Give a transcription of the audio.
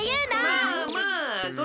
まあまあ！